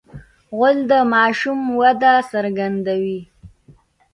غول د ماشوم وده څرګندوي.